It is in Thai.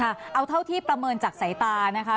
เอาเท่าที่ประเมินจากสายตานะคะ